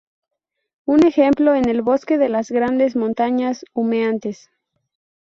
Un ejemplo es el bosque de las Grandes Montañas Humeantes.